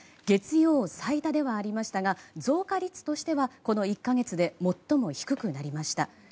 月曜日最多ではありましたが増加率としてはこの１か月で最も低くなりました。